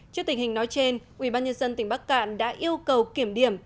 trước tình hình nói trên ủy ban nhân dân tỉnh bắc cạn đã yêu cầu kiểm điểm